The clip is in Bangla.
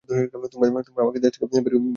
তোমরা আমাকে দেশ থেকে বের করে দিয়েছ।